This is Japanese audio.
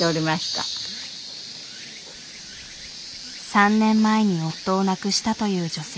３年前に夫を亡くしたという女性。